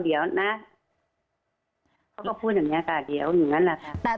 เดี๋ยวน่ะเขาก็พูดแบบนี้แบบนี้เดี๋ยวงั้นแหละครับ